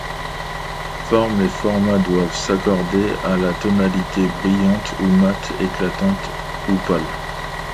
Forme et format doivent s'accorder à la tonalité brillante ou mate, éclatante ou pâle.